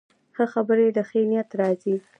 ښه خبرې له ښې نیت راځي